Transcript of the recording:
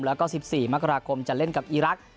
แล้วก็๑๔มกราคมจะเล่นกับอีรักษ์